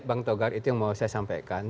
bang togar itu yang mau saya sampaikan